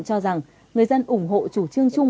cho rằng người dân ủng hộ chủ trương chung